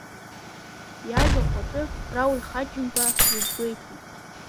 Иажәахә аҿы Рауль Ҳаџьымба иазгәеиҭеит…